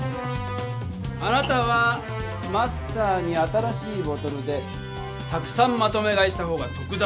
あなたはマスターに新しいボトルでたくさんまとめ買いした方がとくだと持ちかけた。